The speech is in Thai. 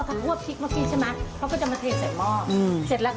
แม่ขีสัมภาษาแล้วบุคดิน